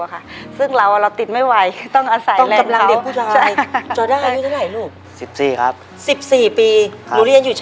ในแคมเปญพิเศษเกมต่อชีวิตโรงเรียนของหนู